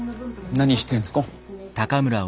何してんすか？